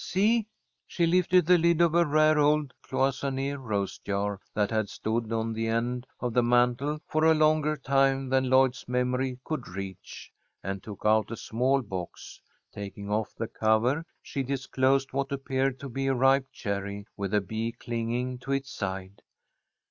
See?" She lifted the lid of a rare old cloisonné rose jar that had stood on the end of the mantel for a longer time than Lloyd's memory could reach, and took out a small box. Taking off the cover, she disclosed what appeared to be a ripe cherry with a bee clinging to its side.